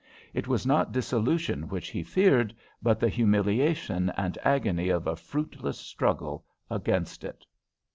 It was not dissolution which he feared, but the humiliation and agony of a fruitless struggle against it.